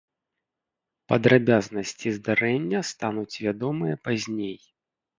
Падрабязнасці здарэння стануць вядомыя пазней.